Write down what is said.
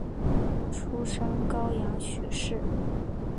出身高阳许氏。